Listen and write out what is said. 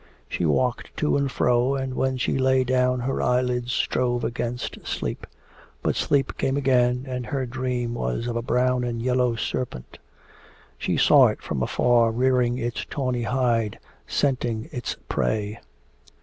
She walked to and fro, and when she lay down her eyelids strove against sleep. But sleep came again, and her dream was of a brown and yellow serpent. She saw it from afar rearing its tawny hide, scenting its prey.